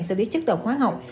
xử lý chất độc hóa học